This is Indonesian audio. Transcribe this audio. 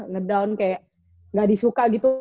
ngedown kayak gak disuka gitu